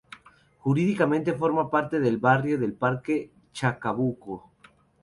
Jurídicamente forma parte del barrio de Parque Chacabuco.